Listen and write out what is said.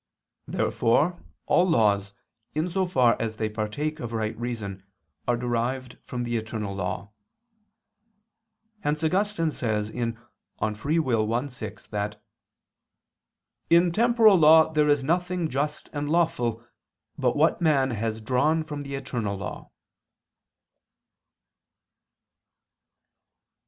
Therefore all laws, in so far as they partake of right reason, are derived from the eternal law. Hence Augustine says (De Lib. Arb. i, 6) that "in temporal law there is nothing just and lawful, but what man has drawn from the eternal law."